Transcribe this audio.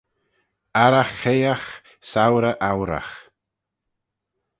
"Arragh chayeeagh, sourey ouyragh;"